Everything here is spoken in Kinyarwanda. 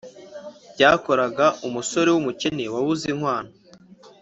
byakoraga umusore w’umukene wabuze inkwano.